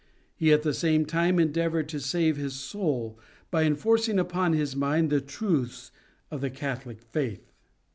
He at the same time endeavored to save his soul, by enforcing upon his mind the truths of the Catholic faith.